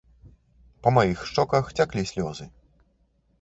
Па маіх шчоках цяклі слёзы.